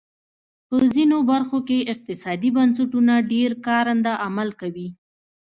په ځینو برخو کې اقتصادي بنسټونه ډېر کارنده عمل کوي.